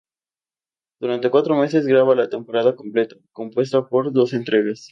Durante cuatro meses graba la temporada completa, compuesta por doce entregas.